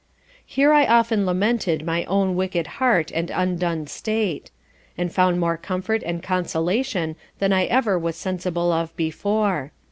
Here I often lamented my own wicked heart, and undone state; and found more comfort and consolation than I ever was sensible of before.